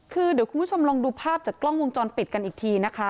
คือเดี๋ยวคุณผู้ชมลองดูภาพจากกล้องวงจรปิดกันอีกทีนะคะ